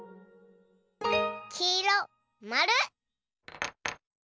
きいろまる！